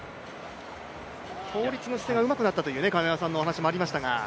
倒立の姿勢がうまくなにたという亀山さんの話もありましたが。